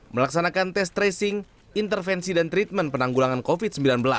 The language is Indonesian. melaksanakan tes tracing intervensi dan treatment penanggulangan covid sembilan belas